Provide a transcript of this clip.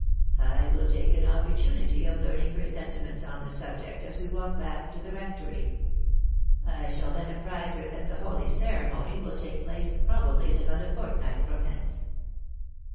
"I will take an opportunity of learning her sentiments on the subject as we walk back to the rectory. I shall then apprise her that the holy ceremony will take place probably in about a fortnight from hence."